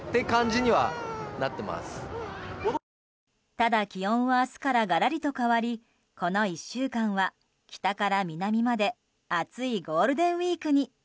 ただ気温は明日からが、がらりと変わりこの１週間は、北から南まで暑いゴールデンウィークに。